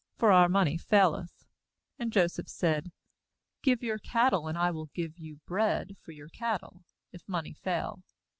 for our money faileth.' 16And Joseph said: 'Give your cattle, and I will give you [bread] for your cattle, if money fail.'